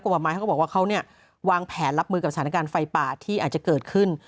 กฎหมายเขาก็บอกว่าเขาเนี่ยวางแผนรับมือกับสถานการณ์ไฟป่าที่อาจจะเกิดขึ้น